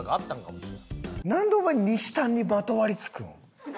なんでお前にしたんにまとわりつくん？